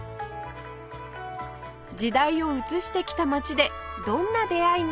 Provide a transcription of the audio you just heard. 時代を映してきた町でどんな出会いが